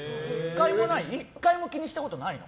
１回も気にしたことないの？